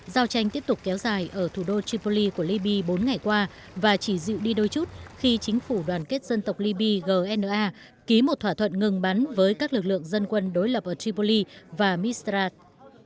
giao tranh tiếp tục kéo dài ở thủ đô tripoli của liby bốn ngày qua và chỉ dịu đi đôi chút khi chính phủ đoàn kết dân tộc libya gna ký một thỏa thuận ngừng bắn với các lực lượng dân quân đối lập ở tripoli và misrat